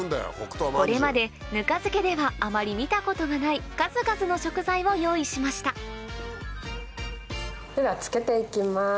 これまでぬか漬けではあまり見たことがない数々の食材を用意しましたでは漬けて行きます。